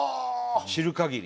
知る限り。